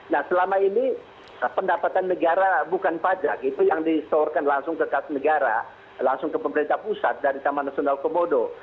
nah selama ini pendapatan negara bukan pajak itu yang disetorkan langsung ke kas negara langsung ke pemerintah pusat dari taman nasional komodo